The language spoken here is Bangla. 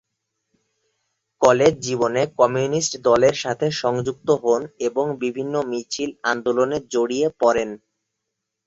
কলেজ জীবনে কমিউনিস্ট দলের সাথে সংযুক্ত হন এবং বিভিন্ন মিছিল, আন্দোলনে জড়িয়ে পরেন।